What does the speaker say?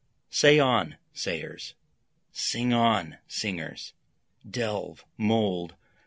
Say on, sayers! sing on, singers! Delve! mould!